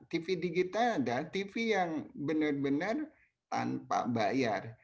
tv digital adalah tv yang benar benar tanpa bayar